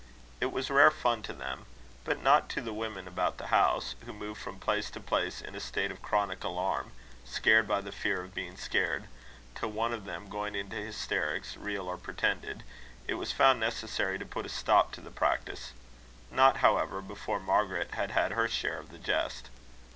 It was rare fun to them; but not to the women about the house, who moved from place to place in a state of chronic alarm, scared by the fear of being scared; till one of them going into hysterics, real or pretended, it was found necessary to put a stop to the practice; not, however, before Margaret had had her share of the jest.